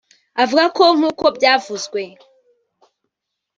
Avuga ko nk’uko byavuzwe